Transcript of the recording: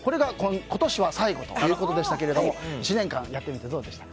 今年は最後ということでしたけども１年間やってみてどうでしたか？